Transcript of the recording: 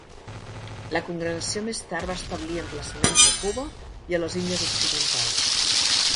La congregació més tard va establir emplaçaments a Cuba i a les Índies Occidentals.